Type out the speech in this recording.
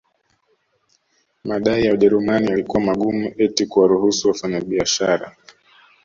Madai ya Wajerumani yalikuwa magumu eti kuwaruhusu wafanyabiashara